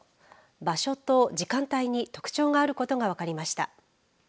場所と時間帯に特徴があることが分かりました。